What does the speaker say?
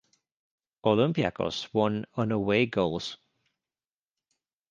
Olympiacos won on away goals.